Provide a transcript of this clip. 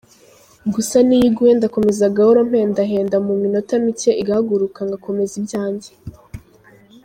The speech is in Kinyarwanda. gusa niyo iguye ndakomeza gahoro mpendahenda mu minota mike igahaguruka ngakomeza ibyanjye.